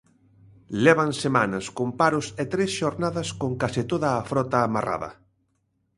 Levan semanas con paros e tres xornadas con case toda a frota amarrada.